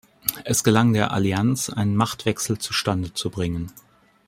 Es gelang der „Allianz“, einen Machtwechsel zustande zu bringen.